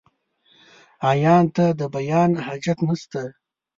عيان ته ، د بيان حاجت نسته.